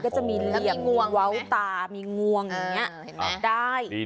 มันก็จะเหลี่ยวเว้าตามีงวงอย่างนี้